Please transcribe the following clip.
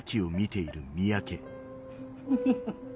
フフフ。